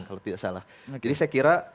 kalau tidak salah jadi saya kira